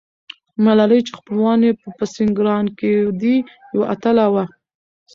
ملالۍ چې خپلوان یې په سینګران کې دي، یوه اتله وه.